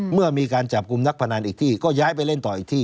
เมื่อมีการจับกลุ่มนักพนันอีกที่ก็ย้ายไปเล่นต่ออีกที่